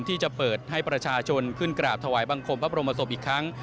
ที่จะเปิดให้ประชาชนขึ้นกราบถวายบังคมพระบรมศพอีกครั้ง